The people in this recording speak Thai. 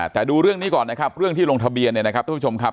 แต่ดูเรื่องนี้ก่อนนะครับเรื่องที่ลงทะเบียนเนี่ยนะครับทุกผู้ชมครับ